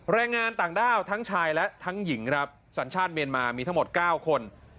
แรงงานต่างด้าวทั้งชายและทั้งหญิงครับสัญชาติเมียนมามีทั้งหมด๙คน